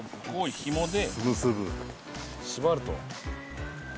縛ると。